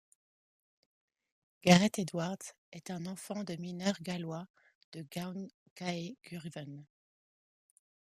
Gareth Edwards est un enfant de mineurs gallois de Gwaun-cae-Gurwen.